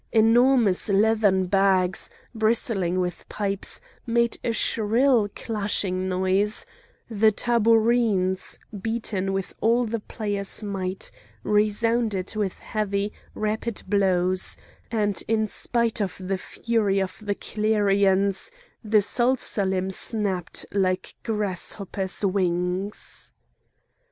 Enormous leathern bags, bristling with pipes, made a shrill clashing noise; the tabourines, beaten with all the players' might, resounded with heavy, rapid blows; and, in spite of the fury of the clarions, the salsalim snapped like grasshoppers' wings.